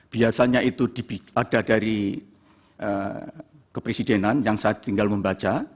biasanya itu ada dari kepresidenan yang saya tinggal membaca